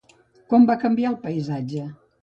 Com va canviar el paisatge?